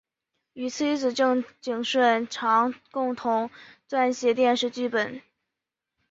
与妻子郑景顺常共同撰写电视剧剧本。